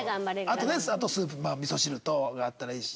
あとねスープまあ味噌汁があったらいいし。